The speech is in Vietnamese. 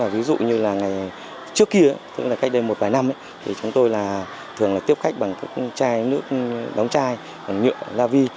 ví dụ như ngày trước kia cách đây một vài năm chúng tôi thường tiếp khách bằng nước đóng chai nhựa la vi